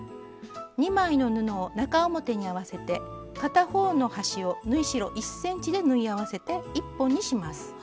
２枚の布を中表に合わせて片方の端を縫い代１ｃｍで縫い合わせて１本にします。